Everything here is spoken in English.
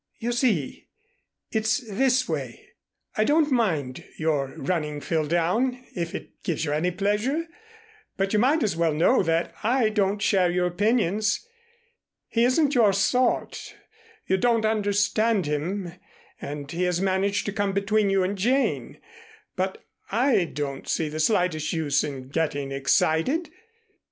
"You see it's this way. I don't mind your running Phil down, if it gives you any pleasure, but you might as well know that I don't share your opinions. He isn't your sort, you don't understand him, and he has managed to come between you and Jane. But I don't see the slightest use in getting excited.